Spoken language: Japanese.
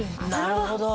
なるほど。